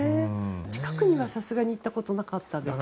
近くにはさすがに行ったことなかったです。